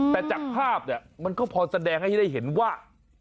แต่จากภาพเนี่ยมันก็พอแสดงให้ได้เห็นว่า